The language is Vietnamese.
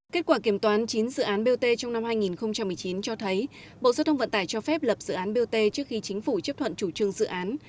kết quả kiểm toán chín dự án bot trong năm hai nghìn một mươi chín cho thấy bộ giao thông vận tải cho phép lập dự án bot trước khi chính phủ chấp thuận chủ trương dự án